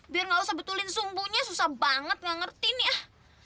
biar nggak usah betulin sumbunya susah banget nggak ngerti nih